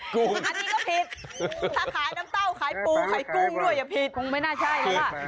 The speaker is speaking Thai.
สู้น้ำเต้า